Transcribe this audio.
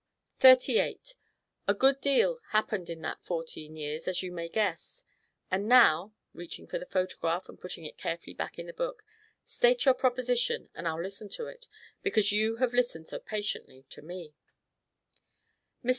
"Thirty eight. A good deal happened in that fourteen years, as you may guess. And now," reaching for the photograph and putting it carefully back in the book, "state your proposition and I'll listen to it, because you have listened so patiently to me." Mr.